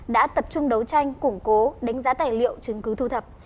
đã tập trung đấu tranh củng cố đánh giá tài liệu chứng cứ thu thập